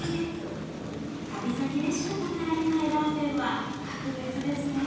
旅先でしか食べられないラーメンは格別ですね。